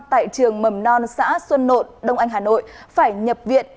tại trường mầm non xã xuân nộn đông anh hà nội phải nhập viện